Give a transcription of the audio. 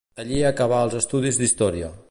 Allí acabà els estudis d'Història.